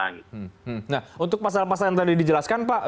nah untuk pasal pasal yang tadi dijelaskan pak